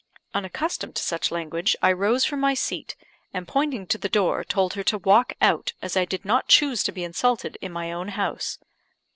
Unaccustomed to such language, I rose from my seat, and pointing to the door, told her to walk out, as I did not choose to be insulted in my own house.